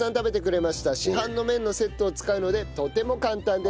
市販の麺のセットを使うのでとても簡単です。